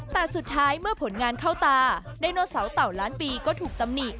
แต่สุดท้ายเมื่อผลงานเข้าตาไดโนเสาเต่าล้านปีก็ถูกตำหนิ